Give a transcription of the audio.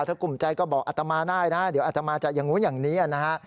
ถ้ากลุ่มใจก็บอกอัตมาได้นะเดี๋ยวอัตมาจะอย่างนู้นอย่างนี้นะฮะ